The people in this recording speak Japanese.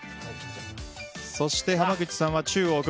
そして、濱口さんは中を置く。